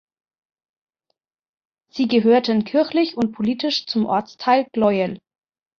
Sie gehörten kirchlich und politisch zum Ortsteil Gleuel.